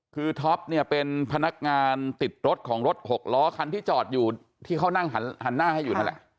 คือท็อปเนี่ยเป็นพนักงานติดรถของรถหกล้อคันที่จอดอยู่ที่เขานั่งหันหน้าให้อยู่นั่นแหละ